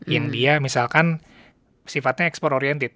yang dia misalkan sifatnya ekspor orientated